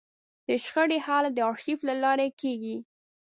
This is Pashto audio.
د شخړې حل د ارشیف له لارې کېږي.